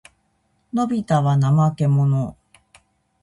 のびたは怠けもの。